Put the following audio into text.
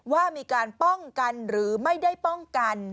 ว่ามีการป้องกันหรือไม่ได้ป้องกัน